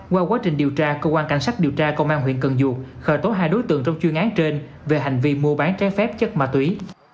qua quá trình điều tra cơ quan cảnh sát điều tra công an huyện cần duộc khởi tố hai đối tượng trong chuyên án trên về hành vi mua bán trái phép chất ma túy